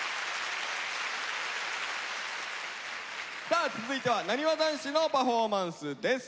さあ続いてはなにわ男子のパフォーマンスです。